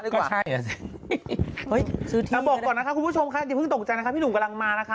เอาบอกก่อนนะคะคุณผู้ชมค่ะอย่าเพิ่งตกใจนะคะพี่หนุ่มกำลังมานะคะ